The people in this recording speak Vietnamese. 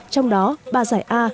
trong đó ba giải a